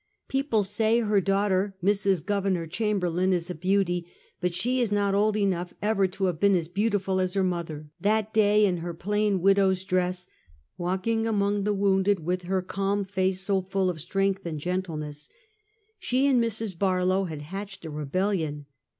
People say her daugh ter, Mrs. Gov. Chamberlain, is a beauty, but she is not old enough ever to have been as l^autiful as her mother, that day, in her plain widow's dress, walking among the wounded, with her calm face so full of strength and gentleness. She and Mrs. Barlow had hatched a rebellion.